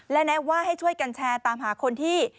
และแนะว่าให้ช่วยกันแชร์ตามหาคนที่